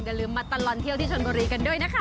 อย่าลืมมาตลอดเที่ยวที่ชนบุรีกันด้วยนะคะ